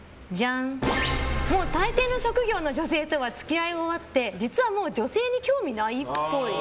もう大抵の職業の女性とは付き合い終わって実はもう女性に興味ないっぽい。